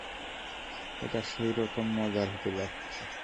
এটা সইরকম মজার হতে যাচ্ছে!